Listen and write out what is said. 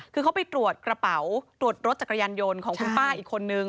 คือเขาไปตรวจกระเป๋าตรวจรถจักรยานยนต์ของคุณป้าอีกคนนึง